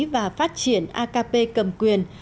và phát triển akp cầm quyền